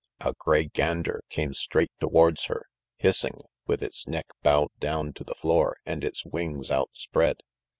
A grey gander came straight towards her, hissing, with its neck bowed down to the floor and its wings outspread.